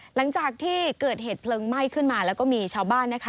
หลังจากที่เกิดเหตุเพลิงไหม้ขึ้นมาแล้วก็มีชาวบ้านนะคะ